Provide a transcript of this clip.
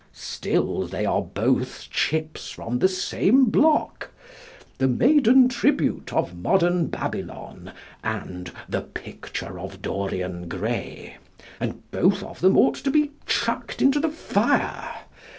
Still they are both chips from the same block "The Maiden Tribute of Modern Babylon" and "The Picture of Dorian Gray" and both of them ought to be chucked into the fire.